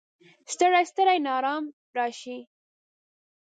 ستړی، ستړی ناارام راشي